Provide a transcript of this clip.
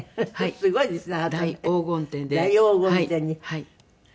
すごいですね。